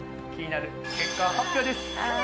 気になる結果発表です。